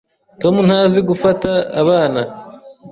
Tom ntazi gufata abana.